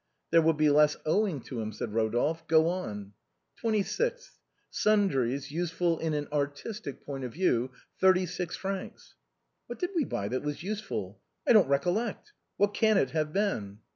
" There will be less owing to him," said Rodolphe. " Go on!" 26th. Sundries, useful from an artistic point of view, 36 fr.'" " What did we buy that was useful ? I don't recollect. What can it have been